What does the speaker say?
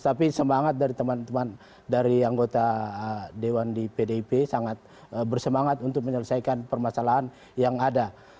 tapi semangat dari teman teman dari anggota dewan di pdip sangat bersemangat untuk menyelesaikan permasalahan yang ada